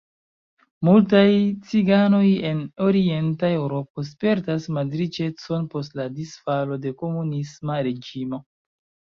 Multaj ciganoj en Orienta Eŭropo spertas malriĉecon post la disfalo de komunisma reĝimo.